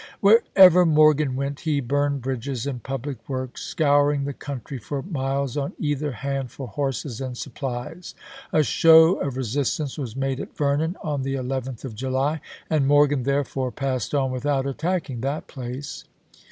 Wherever Morgan went he burned bridges and public works, scouring the country for miles on either hand, for horses and supplies. A show of re 1863. sistance was made at Vernon on the 11th of July, and Morgan, therefore, passed on without attacking that place.